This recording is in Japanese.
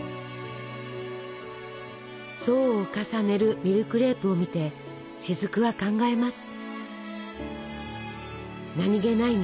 層を重ねるミルクレープを見て雫は考えます。